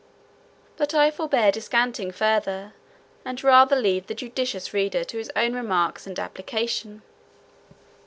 But I forbear descanting further, and rather leave the judicious reader to his own remarks and application.